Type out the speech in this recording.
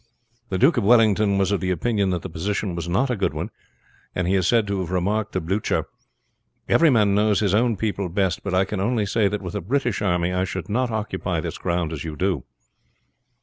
The Duke of Wellington was of opinion that the position was not a good one, and he is said to have remarked to Blucher: "Everyman knows his own people best, but I can only say that with a British army I should not occupy this ground as you do."